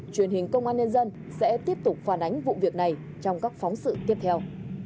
truyền hình công an nhân dân sẽ tiếp tục phản ánh vụ việc này trong các phóng sự tiếp theo